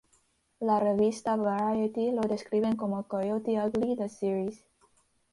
La revista Variety lo describen como "Coyote Ugly: The Series".